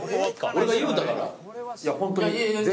俺が言うたから。